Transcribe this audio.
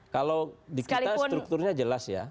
kalau di kita strukturnya jelas ya